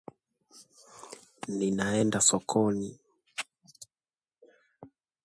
The Battle of Quipaipan was the final one between the warring brothers.